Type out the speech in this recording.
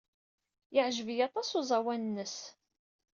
Yeɛjeb-iyi aṭas uẓawan-nnes.